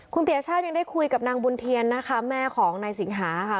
คุณปียชาติยังได้คุยกับนางบุญเทียนนะคะแม่ของนายสิงหาค่ะ